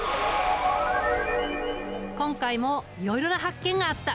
今回もいろいろな発見があった。